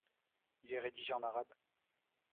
Il est rédigé en arabe.